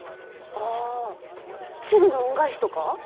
あ「鶴の恩返し」とか？